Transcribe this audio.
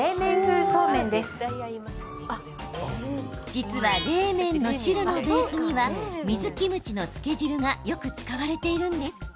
実は冷麺の汁のベースには水キムチの漬け汁がよく使われているんです。